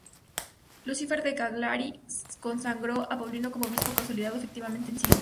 Lucifer de Cagliari consagró a Paulino como obispo, consolidando efectivamente el cisma.